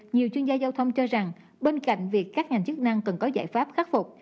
nhiều chuyên gia giao thông cho rằng bên cạnh việc các ngành chức năng cần có giải pháp khắc phục